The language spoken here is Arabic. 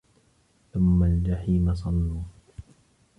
ثُمَّ الجَحيمَ صَلّوهُ